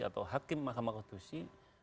atau hakim mahkamah konstitusi